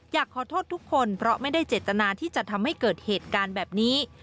อยากขอโทษทุกคนเพราะไม่ได้เจตนาที่จะทำให้เกิดเหตุการณ์แบบนี้